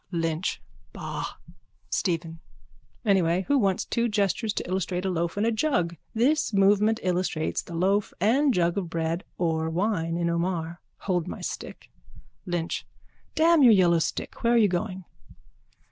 LYNCH: Ba! STEPHEN: Anyway, who wants two gestures to illustrate a loaf and a jug? This movement illustrates the loaf and jug of bread or wine in Omar. Hold my stick. LYNCH: Damn your yellow stick. Where are we going?